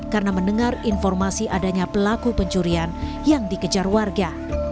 karena mendengar informasi adanya pelaku pencurian yang dikejar warga